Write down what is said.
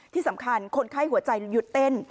ที่สำคัญคนไข้หัวใจหยุดเต้น